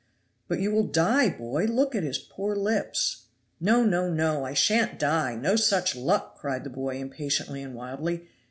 "But you will die, boy. Look at his poor lips!" "No, no, no! I shan't die! No such luck!" cried the boy impatiently and wildly.